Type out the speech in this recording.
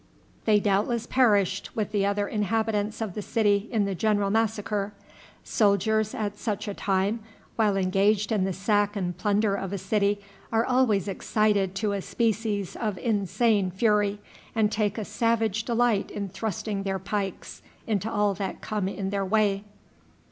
They doubtless perished with the other inhabitants of the city in the general massacre. Soldiers at such a time, while engaged in the sack and plunder of a city, are always excited to a species of insane fury, and take a savage delight in thrusting their pikes into all that come in their way.